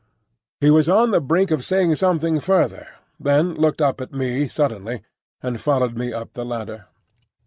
He was on the brink of saying something further, then looked up at me suddenly and followed me up the ladder.